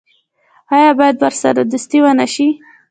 آیا باید ورسره دوستي ونشي؟